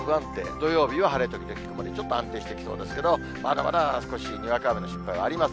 土曜日は晴れ時々曇り、ちょっと安定してきそうですけど、まだまだ少しにわか雨の心配はあります。